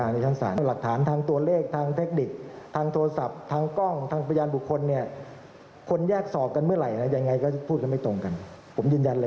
เราถึงต้องเก็บพยานหรักฐาน